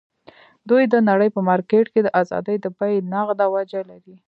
دوی د نړۍ په مارکېټ کې د ازادۍ د بیې نغده وجه لري.